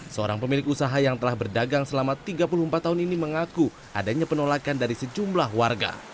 seorang pemilik usaha yang telah berdagang selama tiga puluh empat tahun ini mengaku adanya penolakan dari sejumlah warga